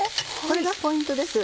これがポイントです